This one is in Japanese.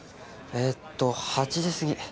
えっと８時過ぎ。